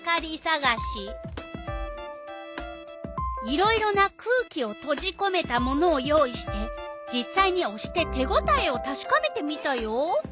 いろいろな「空気をとじこめたもの」を用意して実さいにおして手ごたえをたしかめてみたよ。